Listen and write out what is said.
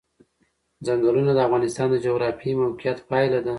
ځنګلونه د افغانستان د جغرافیایي موقیعت پایله ده.